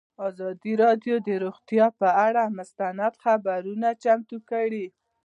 ازادي راډیو د روغتیا پر اړه مستند خپرونه چمتو کړې.